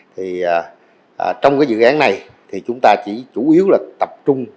thì trong cái dự án này thì chúng ta chỉ chủ yếu là tập trung